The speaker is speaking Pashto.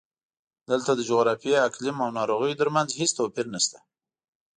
دلته د جغرافیې، اقلیم او ناروغیو ترمنځ هېڅ توپیر نشته.